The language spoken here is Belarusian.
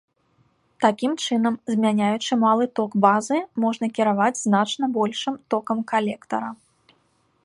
Такім чынам, змяняючы малы ток базы, можна кіраваць значна большым токам калектара.